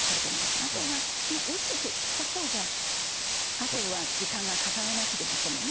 あと薄く切ったほうがあとは時間がかからなくて済む。